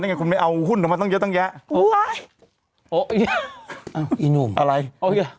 ทั้งอะไรกูไม่เอาหุ้นออกมาตั้งเยอะตั้งแยะอะไรเอาเงี้ย